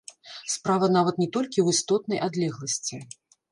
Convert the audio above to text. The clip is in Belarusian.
Справа нават не толькі ў істотнай адлегласці.